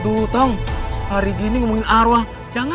aduh dong hari gini ngomongin arwah jangan